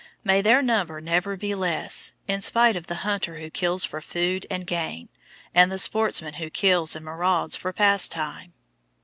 May their number never be less, in spite of the hunter who kills for food and gain, and the sportsman who kills and marauds for pastime!